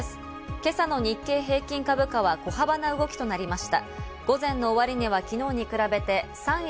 今朝の日経平均株価は小幅な動きとなりました。